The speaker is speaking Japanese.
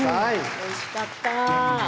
おいしかった。